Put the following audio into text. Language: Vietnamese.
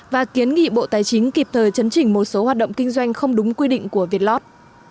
và kiến nghị bộ tài chính kịp thời chấn chỉnh một số hoạt động kinh doanh không đúng quy định của việt lót